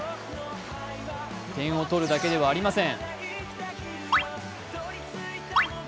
点を取るだけではありません。